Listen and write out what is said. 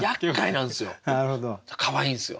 かわいいんすよ。